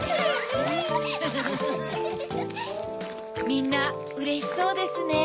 みんなうれしそうですね。